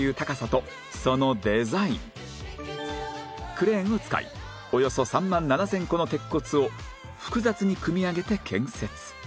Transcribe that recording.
クレーンを使いおよそ３万７０００個の鉄骨を複雑に組み上げて建設